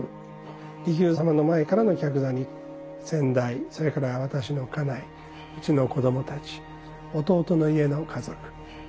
利休様の前からの客座に先代それから私の家内うちの子どもたち弟の家の家族。